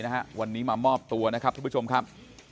นะฮะวันนี้มามอบตัวนะครับทุกผู้ชมครับ